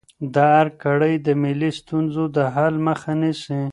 د ارګ کړۍ د ملي ستونزو د حل مخه نیسي.